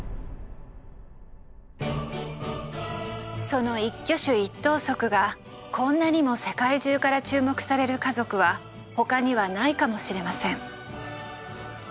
その一挙手一投足がこんなにも世界中から注目される家族は他にはないかもしれません。